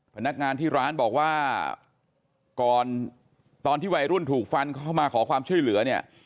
พนักงานที่ร้านบอกว่าก่อนตอนที่วัยรุ่นถูกฟันเข้ามาขอความช่วยเหลือเนี่ย